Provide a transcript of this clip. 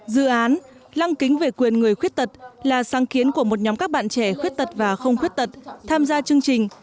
dự án lăng kính về quyền người khuyết tật là sáng kiến của một nhóm các bạn trẻ khuyết tật và không khuyết tật tham gia chương trình